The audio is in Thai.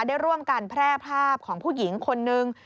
ได้ร่วมกันแพร่ภาพของผู้หญิงคนนึง